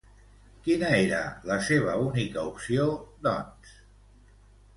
Quina era la seva única opció, doncs?